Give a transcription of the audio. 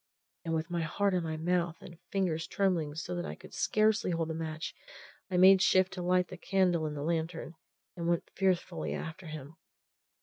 And with my heart in my mouth and fingers trembling so that I could scarcely hold the match, I made shift to light the candle in the lantern, and went fearfully after him.